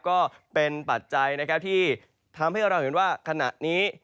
ก็เป็นปัจจัยนะครับที่ทำให้เราเห็นว่าขณะนี้